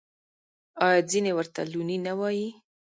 آیا ځینې ورته لوني نه وايي؟